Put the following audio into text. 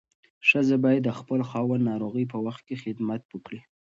ښځه باید د خپل خاوند ناروغۍ په وخت کې خدمت وکړي.